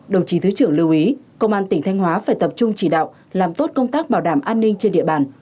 đồng chí thứ trưởng lưu ý công an tỉnh thanh hóa phải tập trung chỉ đạo làm tốt công tác bảo đảm an ninh trên địa bàn